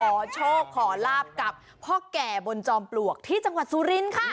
ขอโชคขอลาบกับพ่อแก่บนจอมปลวกที่จังหวัดสุรินทร์ค่ะ